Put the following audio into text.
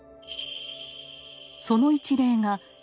その一例が江戸